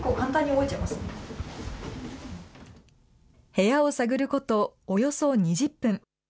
部屋を探ることおよそ２０分。